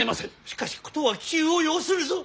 しかし事は急を要するぞ。